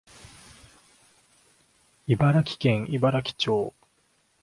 茨城県茨城町